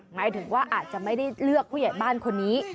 หมายถึงว่าอาจจะไม่ได้เลือกผู้ใหญ่บ้านคนนี้